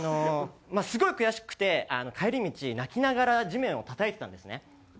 すごい悔しくて帰り道泣きながら地面をたたいてたんですね。